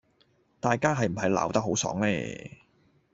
大家係唔係鬧得好爽呢？